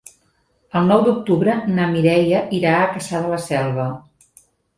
El nou d'octubre na Mireia irà a Cassà de la Selva.